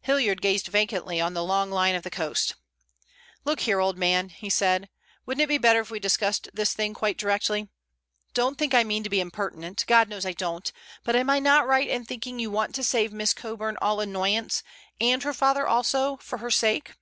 Hilliard gazed vacantly on the long line of the coast. "Look here, old man," he said, "Wouldn't it be better if we discussed this thing quite directly? Don't think I mean to be impertinent—God knows I don't—but am I not right in thinking you want to save Miss Coburn all annoyance, and her father also, for her sake?"